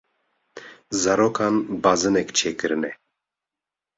Zarokan bazinek çêkirine.